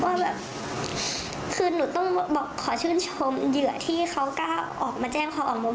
ว่าแบบคือหนูต้องบอกขอชื่นชมเหยื่อที่เขากล้าออกมาแจ้งความออกมา